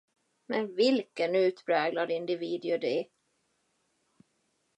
Men vilken utpräglad individ gör det?